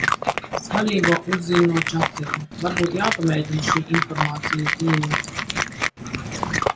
Svarīgo uzzin no čatiem. Varbūt jāpamēģina šī informācijas diēta.